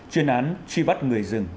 chuyên án truy bắt người rừng